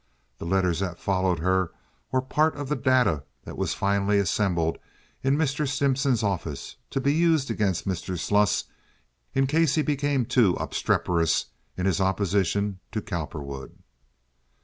The letters that followed her were a part of the data that was finally assembled in Mr. Stimson's office to be used against Mr. Sluss in case he became too obstreperous in his opposition to Cowperwood.